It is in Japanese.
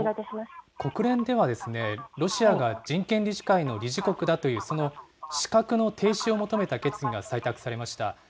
国連では、ロシアが人権理事会の理事国だという資格の停止を求めた決議が採択されました。